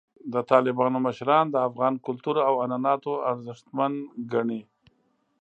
د طالبانو مشران د افغان کلتور او عنعناتو ارزښتمن ګڼي.